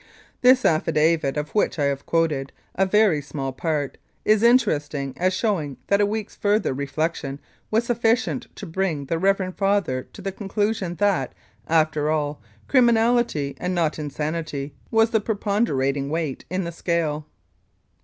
This affidavit, of which I have quoted a very small part, is interesting as showing that a week's further re flection was sufficient to bring the Reverend Father to the conclusion that, after all, criminality, and not insanity, was the preponderating weight in the scale.